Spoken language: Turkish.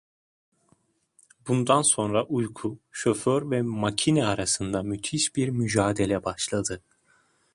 Bundan sonra uyku, şoför ve makine arasında müthiş bir mücadele başladı…